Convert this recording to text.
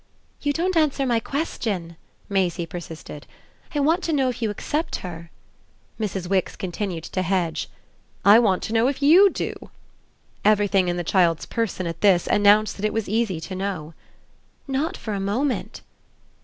"You don't answer my question," Maisie persisted. "I want to know if you accept her." Mrs. Wix continued to hedge. "I want to know if YOU do!" Everything in the child's person, at this, announced that it was easy to know. "Not for a moment."